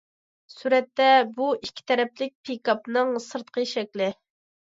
سۈرەتتە: بۇ ئىككى تەرەپلىك پىكاپنىڭ سىرتقى شەكلى.